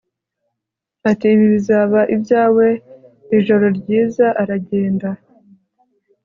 Ati Ibi bizaba ibyawe Ijoro ryiza aragenda